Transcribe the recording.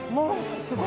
すごい。